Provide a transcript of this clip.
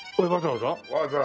わざわざ。